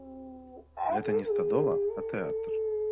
Гэта не стадола, а тэатр.